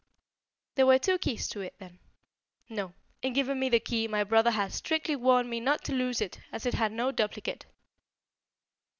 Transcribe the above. "There were two keys to it, then?" "No; in giving me the key, my brother had strictly warned me not to lose it, as it had no duplicate."